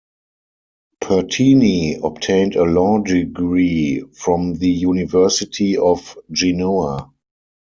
Pertini obtained a Law degree from the University of Genoa.